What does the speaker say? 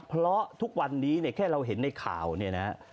เพราะทุกวันนี้เนี่ยแค่เราเห็นในข่าวเนี่ยนะ